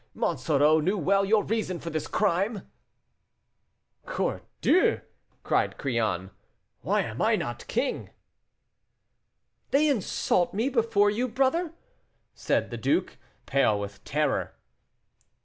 Monsoreau knew well your reason for this crime." "Cordieu!" cried Crillon, "why am I not king?" "They insult me before you, brother," said the duke, pale with terror.